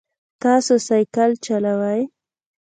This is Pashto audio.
تاسو سایکل چلوئ؟